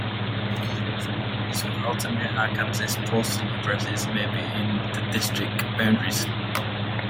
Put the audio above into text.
Some areas with "Altheimer, Arkansas" postal addresses may be in the district boundaries.